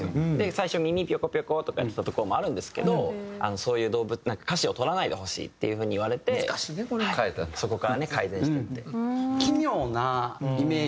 最初耳ピョコピョコとかやってたところもあるんですけど歌詞をとらないでほしいっていう風に言われてそこからね改善していって。